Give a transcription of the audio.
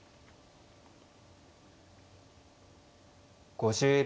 ５０秒。